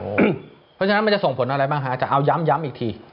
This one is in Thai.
เพราะฉะนั้นมันจะส่งผลอะไรบ้างฮะแต่เอาย้ำอีกที